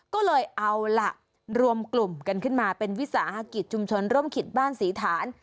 ก็เลยเอาล่ะรวมกลุ่มกันขึ้นมาเป็นวิสาหกิจชุมชนร่มขิตบ้านศรีฐาน